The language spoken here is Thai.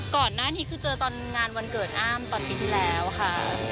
ก่อนหน้านี้คือเจอตอนงานวันเกิดอ้ามตอนปีที่แล้วค่ะ